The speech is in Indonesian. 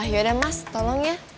yaudah mas tolong ya